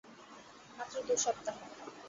মাত্র দু সপ্তাহ।